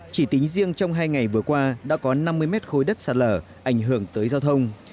chỉ tính riêng trong hai ngày vừa qua đã có năm mươi mét khối đất sạt lở ảnh hưởng tới giao thông